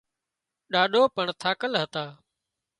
ڏاڏو پڻ ٿاڪل هتا